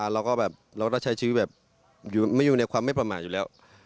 เราก็ใช้ชีวิตอยู่ในความไม่ประหมากอยู่แล้ว